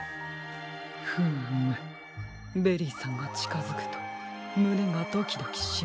フームベリーさんがちかづくとむねがドキドキします。